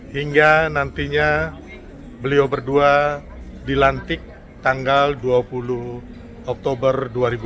hingga nantinya beliau berdua dilantik tanggal dua puluh oktober dua ribu dua puluh